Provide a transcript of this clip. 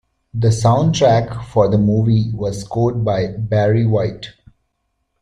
The soundtrack for the movie was scored by Barry White.